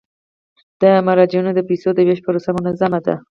د مراجعینو د پيسو د ویش پروسه منظمه ده.